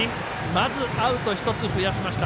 まず、アウト１つ増やしました。